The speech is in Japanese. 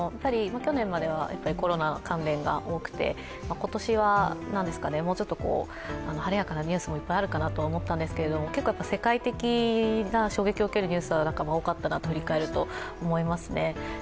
去年まではコロナ関連が多くて今年はもうちょっと晴れやかなニュースもいっぱいあるかなと思ったんですけど結構、世界的な衝撃を受けるニュースは多かったなと振り返ると思いますね。